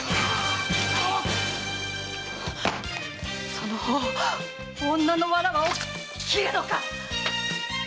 その方女のわらわを斬るのか⁉